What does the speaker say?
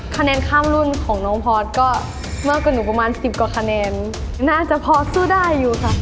คะแนนข้ามรุ่นของน้องพอร์ตก็มากกว่าหนูประมาณ๑๐กว่าคะแนนน่าจะพอสู้ได้อยู่ค่ะ